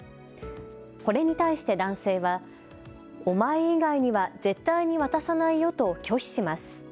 これに対して男性はお前以外には絶対に渡さないよと拒否します。